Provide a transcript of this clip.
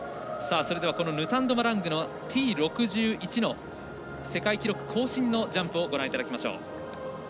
ヌタンド・マラングのＴ６１の世界記録更新のジャンプをご覧いただきましょう。